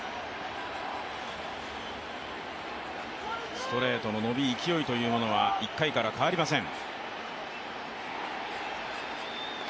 ストレートの伸び、勢いというものは１回から変わりません。